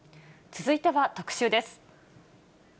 続いては特集です。